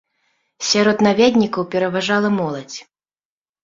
Сярод наведнікаў пераважала моладзь.